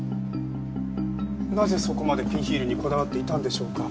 なぜそこまでピンヒールにこだわっていたんでしょうか？